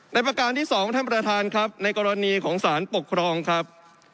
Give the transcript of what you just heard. ประการที่สองท่านประธานครับในกรณีของสารปกครองครับ